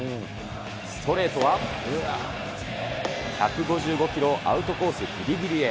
ストレートは１５５キロをアウトコースぎりぎりへ。